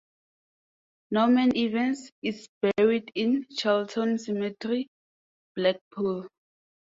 Norman Evans is buried in Carleton Cemetery, Blackpool.